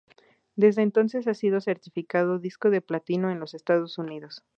Desde entonces ha sido certificado disco de Platino en los Estados Unidos.